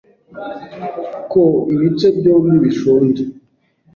Ko ibice byombi bishonje